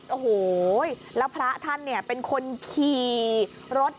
โอ้โฮแล้วพระท่านเป็นคนขี่รถ